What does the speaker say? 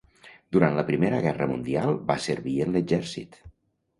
Durant la primera guerra mundial, va servir en l'exèrcit.